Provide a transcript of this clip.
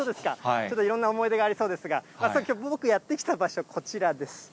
ちょっといろんな思い出がありそうですが、僕やって来た場所、こちらです。